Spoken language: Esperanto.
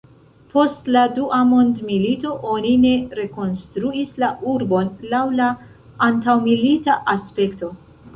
Post la Dua Mondmilito oni ne rekonstruis la urbon laŭ la antaŭmilita aspekto.